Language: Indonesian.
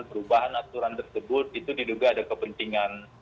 perubahan aturan tersebut itu diduga ada kepentingan